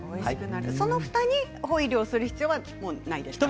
そのふたにホイルをする必要はないですか。